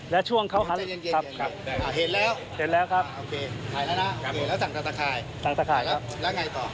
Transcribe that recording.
แล้วช่วงเขาครั้งครับค่ะแล้วสั่งตัดตะข่ายครับแล้วไงต่อ